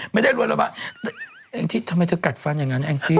ไม่ได้รวยหรือเปล่าทำไมเธอกัดฟันอย่างนั้นเอะแอ้งขี